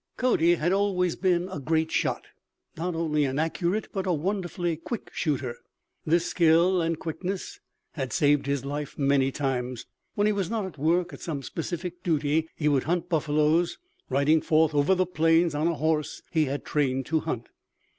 Cody had always been a great shot not only an accurate, but a wonderfully quick shooter. This skill and quickness had saved his life many times. When he was not at work at some specific duty he would hunt buffaloes, riding forth over the plains on a horse he had trained to hunt.